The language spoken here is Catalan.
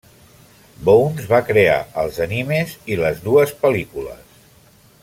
Bones va crear els animes i les dues pel·lícules.